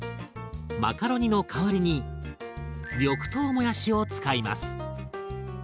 マカロニの代わりに緑豆もやしを使います。